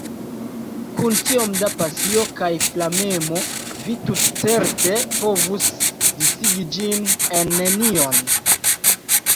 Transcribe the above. Kun tiom da pasio kaj flamemo, vi tutcerte povus disigi ĝin en nenion.